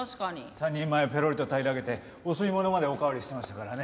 ３人前をぺろりと平らげてお吸い物までおかわりしてましたからね。